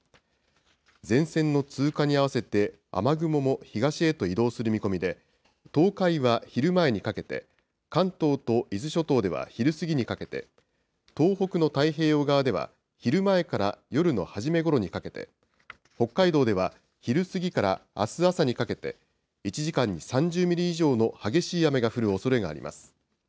前線の通過に合わせて、雨雲も東へと移動する見込みで、東海は昼前にかけて、関東と伊豆諸島では昼過ぎにかけて、東北の太平洋側では昼前から夜のはじめごろにかけて、北海道では昼過ぎからあす朝にかけて、１時間に３０ミリ以上の激しい雨が降るおそれがあります。